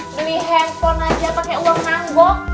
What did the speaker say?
beli handphone aja pake uang nanggok